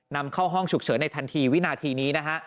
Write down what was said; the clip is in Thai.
นำเข้าห้องฉุกเฉินในทันทีวินาทีนี้นะฮะ